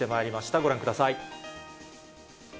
ご覧ください。